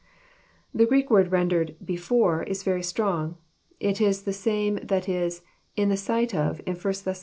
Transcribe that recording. The Greek word rendered " before," is very strong. It is the same that is In the sight of," in 1 Thess.